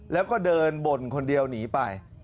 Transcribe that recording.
แล้วก็เดินบ่นคนเดียวหนีไป